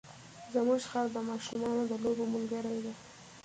زموږ خر د ماشومانو د لوبو ملګری دی.